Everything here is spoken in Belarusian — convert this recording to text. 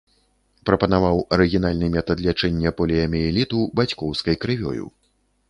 Прапанаваў арыгінальны метад лячэння поліяміэліту бацькоўскай крывёю.